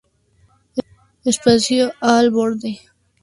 Espacio Al Borde.